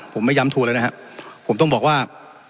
ผมไม่ย้ำทัวร์แล้วนะครับผมต้องบอกว่า